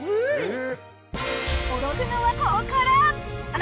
驚くのはここから。